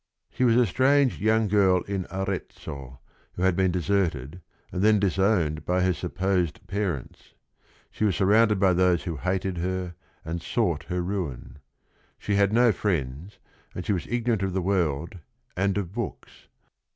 She was a strange young girl in Arezzo, who had been deserted and then disowned by her supposed parents. She was surrounded by those who hated her and sought her ruin. She had no friends, and she was igno rant of the world and of books.